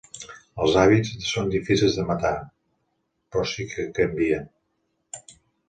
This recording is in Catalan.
Els hàbits són difícils de matar, però sí que canvien.